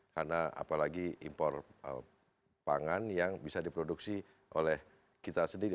karena apalagi import pangan yang bisa diproduksi oleh kita sendiri